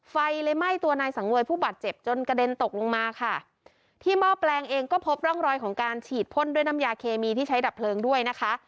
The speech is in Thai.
ไฟเลยไหม้ตัวนายสังเวยผู้บาดเจ็บจนกระเด็นตกลงมาค่ะที่หม้อแปลงเองก็พบร่องรอยของการฉีดพ่นด้วยน้ำยาเคมีที่ใช้ดับเพลิงด้วยนะคะ